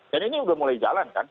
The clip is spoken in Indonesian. dan ini sudah mulai jalan kan